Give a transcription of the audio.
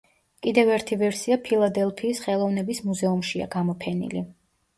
კიდევ ერთი ვერსია ფილადელფიის ხელოვნების მუზეუმშია გამოფენილი.